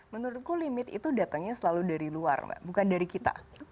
menurutku limit itu datangnya selalu dari luar mbak bukan dari kita